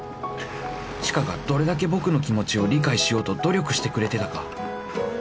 知花がどれだけ僕の気持ちを理解しようと努力してくれてたか